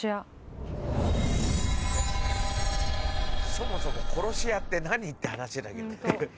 そもそも殺し屋って何？って話だけどね。